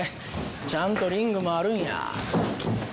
ちゃんとリングもあるんや。